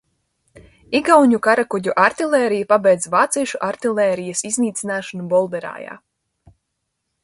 Igauņu karakuģu artilērija pabeidza vāciešu artilērijas iznīcināšanu Bolderājā.